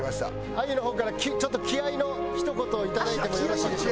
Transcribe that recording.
あゆの方からちょっと気合のひと言をいただいてもよろしいですか？